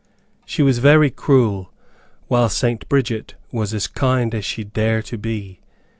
She was very cruel, while St. Bridget was as kind as she dare to be.